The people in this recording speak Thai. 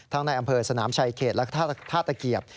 ในอำเภอสนามชายเขตและท่าตะเกียบ